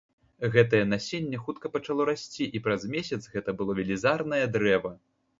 Гэтае насенне хутка пачало расці і праз месяц гэта было велізарнае дрэва.